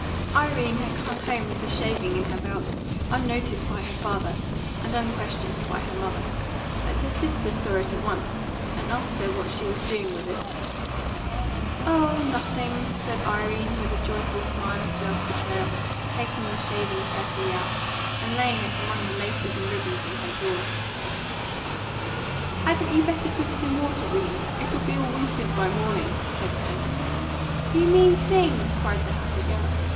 Irene had come home with the shaving in her belt, unnoticed by her father, and unquestioned by her mother. But her sister saw it at once, and asked her what she was doing with it. "Oh, nothing," said Irene, with a joyful smile of self betrayal, taking the shaving carefully out, and laying it among the laces and ribbons in her drawer. "Hadn't you better put it in water, 'Rene? It'll be all wilted by morning," said Pen. "You mean thing!" cried the happy girl.